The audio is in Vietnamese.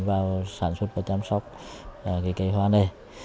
vào sản xuất và chăm sóc cây hoa này